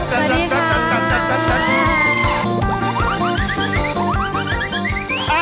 สวัสดีค่ะ